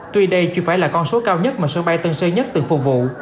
tuy đây chưa phải là con số cao nhất mà sân bay tân sơn nhất từng phục vụ